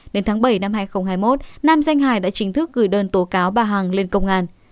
đến tháng bảy năm hai nghìn hai mươi một nam danh hải đã chính thức gửi đơn tố cáo bà hằng lên công an